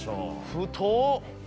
太っ。